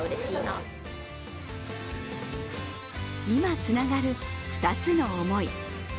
今つながる２つの思い。